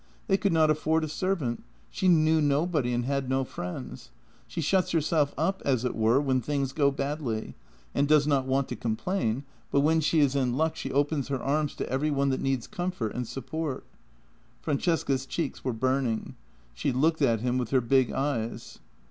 They could not afford a servant. She knew nobody and had no friends. She shuts herself up, as it were, when things go badly, and does not want to complain, but when she is in luck she opens her arms to every one that needs comfort and support." Francesca's cheeks were burning. She looked at him with her big eyes.